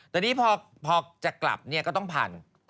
แต่นี่พอจะกลับเนี่ยก็ต้องผ่าน